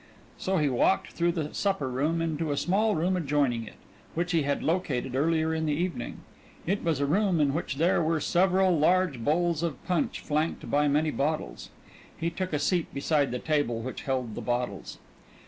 So he walked through the supper room into a small room adjoining it, which he had located earlier in the evening. It was a room in which there were several large bowls of punch flanked by many bottles. He took a seat beside the table which held the bottles.